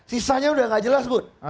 sisanya udah gak jelas bun